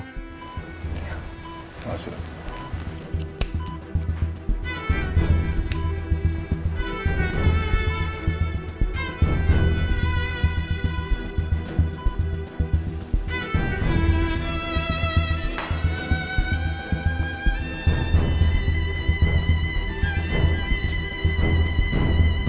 iya makasih pak